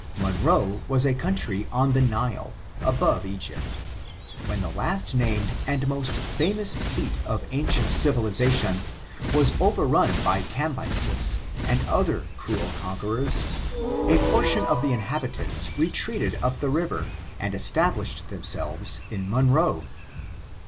Monroe was a ooontxy on the Nile, above Egypt When the last named and most famous seat of ancient dvU^ation was overran by Cambyses and other cruel conquerors, a portion of the inhabitants retreated up the river and established themsehres in Monroe.